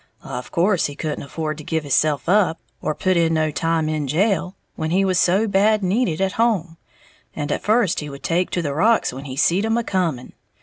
Of course he couldn't afford to give hisself up, or put in no time in jail, when he was so bad needed at home; and at first he would take to the rocks when he seed 'em a coming.